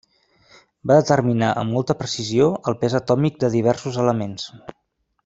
Va determinar amb molta precisió el pes atòmic de diversos elements.